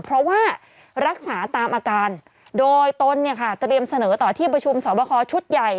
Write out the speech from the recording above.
เพราะว่ารักษาตามอาการโดยตนเนี่ยค่ะเตรียมเสนอต่อที่ประชุมสอบคอชุดใหญ่